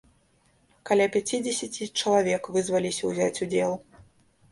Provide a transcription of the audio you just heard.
Каля пяцідзесяці чалавек вызваліся ўзяць удзел.